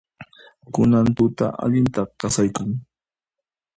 Kunan tuta allinta qasaykun.